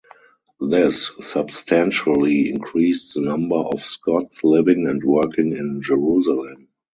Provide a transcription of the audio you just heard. This substantially increased the number of Scots living and working in Jerusalem.